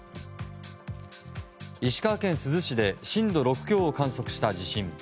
石川県珠洲市で震度６強を観測した地震。